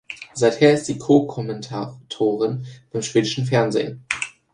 Seither ist sie Co-Kommentatorin beim schwedischen Fernsehen.